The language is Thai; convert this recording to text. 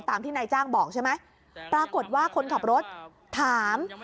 ตามที่นายจ้างบอกใช่ไหมปรากฏว่าคนขับรถถาม